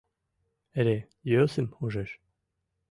Эре йӧсым ужеш.